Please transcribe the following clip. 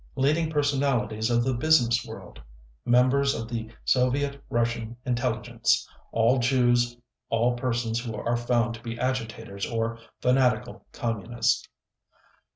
. leading personalities of the business world, members of the Soviet Russian Intelligence, all Jews, all persons who are found to be agitators or fanatical Communists.